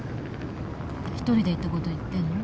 一人で行ったことを言ってるの？